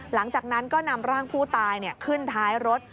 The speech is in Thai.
หลังจากนั้นก็นำร่างผู้ตายขึ้นท้ายรถ